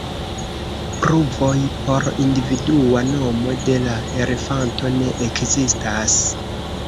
Pruvoj por individua nomo de la elefanto ne ekzistas.